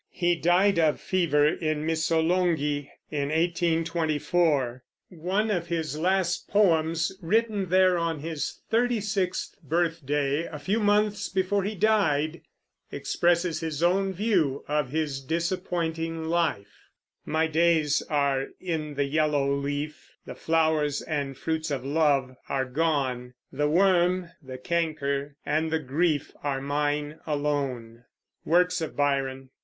He died of fever, in Missolonghi, in 1824. One of his last poems, written there on his thirty sixth birthday, a few months before he died, expresses his own view of his disappointing life: My days are in the yellow leaf, The flowers and fruits of love are gone: The worm, the canker, and the grief Are mine alone. WORKS OF BYRON.